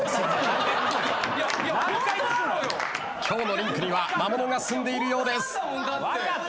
今日のリンクには魔物がすんでいるようです。